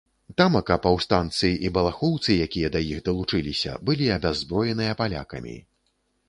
Тамака паўстанцы і балахоўцы, якія да іх далучыліся, былі абяззброеныя палякамі.